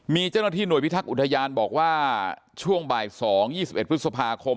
มีเจ้าหน้าที่หน่วยพิทักษ์อุทยานบอกว่าช่วงบ่าย๒๒๑พฤษภาคม